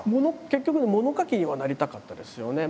結局物書きにはなりたかったですよね。